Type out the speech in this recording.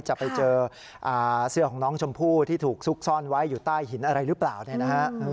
จะไปเจอเสื้อของน้องชมพู่ที่ถูกซุกซ่อนไว้อยู่ใต้หินอะไรหรือเปล่าเนี่ยนะฮะ